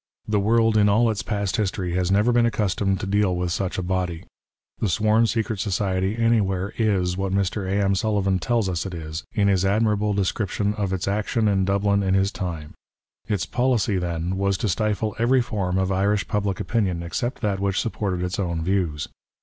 The world in all its past history has never been accustomed to deal with such a body. The sworn secret society anywhere, is, what Mr. A. M. Sullivan tells us it is, in his admirable descrip XX PREFACE. tion of its action in Dublin in liis time. Its policy, then, was to stifle every form of Irish public opinion except that which supported its own views.